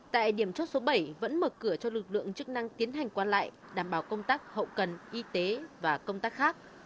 tại điểm chốt số bảy vẫn mở cửa cho lực lượng chức năng tiến hành quan lại đảm bảo công tác hậu cần y tế và công tác khác